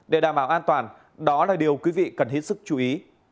để đảm bảo an toàn đó là điều quý vị cần hết sức chú ý